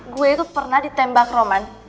gue itu pernah ditembak roman